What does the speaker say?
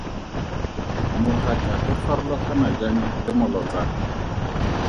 Mogaka o farologana jang le molotsana?